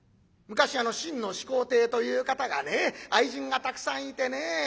昔あの秦の始皇帝という方がね愛人がたくさんいてねえ。